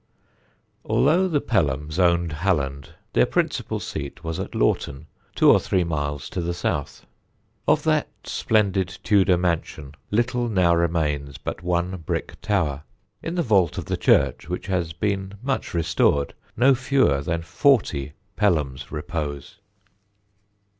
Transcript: Although the Pelhams owned Halland, their principal seat was at Laughton, two or three miles to the south. Of that splendid Tudor mansion little now remains but one brick tower. In the vault of the church, which has been much restored, no fewer than forty Pelhams repose.